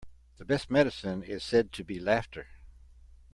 The best medicine is said to be laughter.